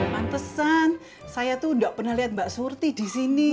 pantesan saya tuh nggak pernah lihat mbak surti di sini